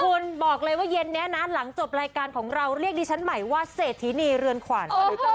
คุณบอกเลยว่าเย็นนี้นะหลังจบรายการของเราเรียกดิฉันใหม่ว่าเศรษฐีนีเรือนขวัญ